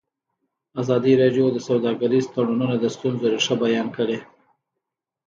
ازادي راډیو د سوداګریز تړونونه د ستونزو رېښه بیان کړې.